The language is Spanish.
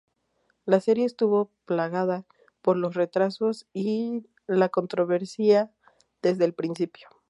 La serie estuvo plagada por los retrasos y la controversia desde el principio.